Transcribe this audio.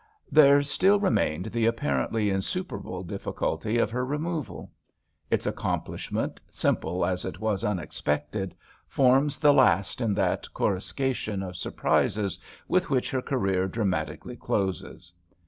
There still remained the apparently in superable difficulty of her removal. Its accomplishment, simple as it was unex pected, forms the last in that coruscation of surprises with which her career dramati cally closes.